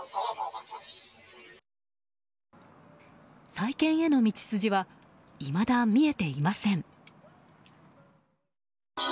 再建への道筋はいまだ見えていません。